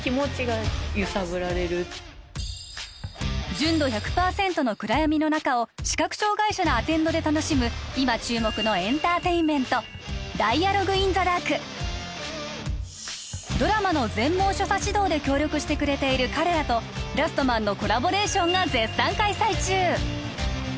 純度１００％の暗闇の中を視覚障害者のアテンドで楽しむ今注目のエンターテインメントドラマの全盲所作指導で協力してくれている彼らと「ラストマン」のコラボレーションが絶賛開催中